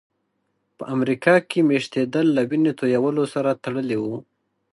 په امریکا کې مېشتېدل له وینې تویولو سره تړلي وو.